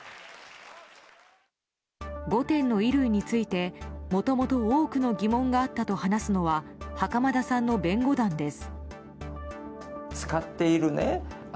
５点の衣類について、もともと多くの疑問があったと話すのは袴田さんの弁護団です。